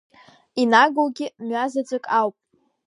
Инагоугьы мҩа заҵәык ауп.